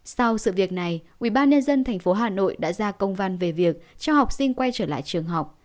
sau sự việc này ủy ban nhân dân tp hà nội đã ra công văn về việc cho học sinh quay trở lại trường học